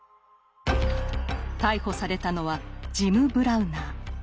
逮捕されたのはジム・ブラウナー。